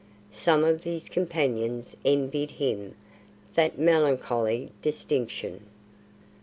Some of his companions envied him that melancholy distinction.